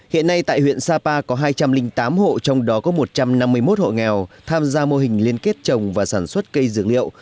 hiện nay tại huyện sapa có hai trăm linh tám hộ trong đó có một trăm năm mươi một hộ nghèo tham gia mô hình liên kết trồng và sản xuất cây dược liệu